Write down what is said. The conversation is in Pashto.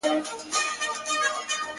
په دومره سپینو کي عجیبه انتخاب کوي~